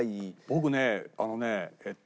僕ねあのねえっと